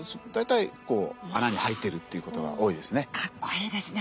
大体かっこいいですね。